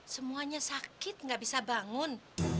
semuanya sakit nggak bisa bangun